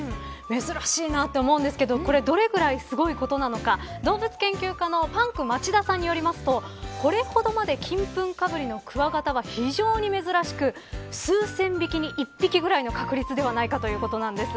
珍しいなと思うんですがどれくらいすごいことなのか動物研究家のパンク町田さんによりますとこれほどまで金粉かぶりのクワガタは非常に珍しく数千匹に一匹ぐらいの確率ではないかということなんです。